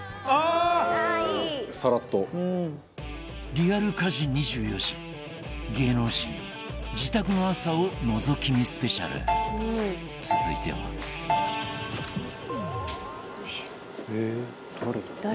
リアル家事２４時芸能人の自宅の朝をのぞき見スペシャル続いては藤本：誰だろう？